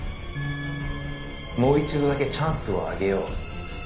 「もう一度だけチャンスをあげよう」